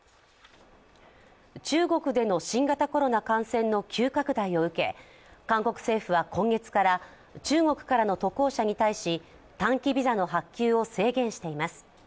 中国での新型コロナ感染の急拡大を受け、韓国政府は今月から中国からの渡航者に対し短期ビザの発給を制限しています。